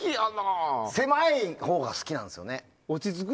狭いほうが好きなんですね。